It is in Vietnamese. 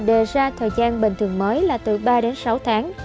ông mãi dẫn chứng singapore đề ra thời gian bình thường mới là từ ba đến sáu tháng